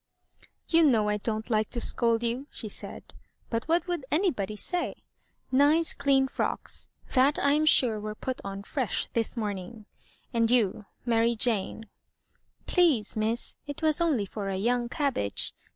•* You know I don't like to scold you," she said; "but what would anybody say I — nice dean frocks, that I am sure were put on fresh this morning — and you, Mary Jane "" Please, Miss, it was only for a young cabbage.